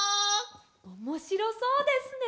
おもしろそうですね！